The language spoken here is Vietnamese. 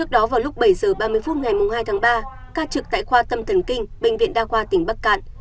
trước đó vào lúc bảy h ba mươi phút ngày hai tháng ba ca trực tại khoa tâm thần kinh bệnh viện đa khoa tỉnh bắc cạn